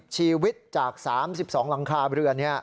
๕๐ชีวิตจาก๓๒หลังคาบริเวณ